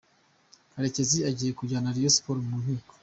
Karekezi agiye kujyana rayon Sports mu nkiko.